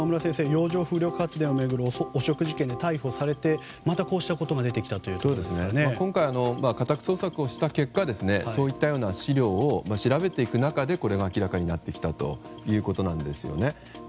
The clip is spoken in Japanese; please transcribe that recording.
洋上風力発電を巡る汚職事件で逮捕されてまたこうしたことが今回、家宅捜索をした結果そういった資料を調べていく中でこれが明らかになってきたということなんですよね。